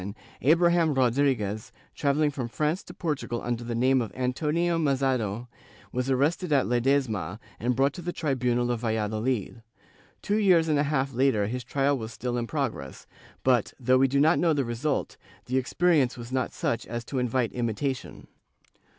In January, 1697, Abraham Rodrfguez, travelHng from France to Portugal under the name of Antonio Mazedo, was arrested at Ledesma and brought to the tribunal of Valladolid. Two years and a half later his trial was still in progress, but, though we do not know the result, the experience was not such as to invite imitation.